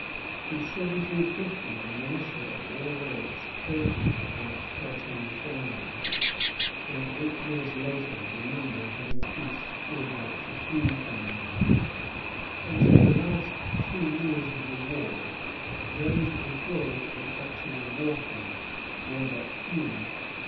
In 1750 the militia of all ranks counted about thirteen thousand; and eight years later the number had increased to about fifteen thousand. Until the last two years of the war, those employed in actual warfare were but few.